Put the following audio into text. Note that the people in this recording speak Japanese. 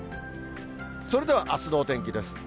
それではあすのお天気です。